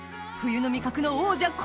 冬の味覚の王者